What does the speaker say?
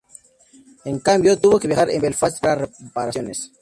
En cambio, tuvo que viajar a Belfast para reparaciones.